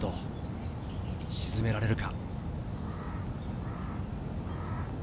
沈められるか？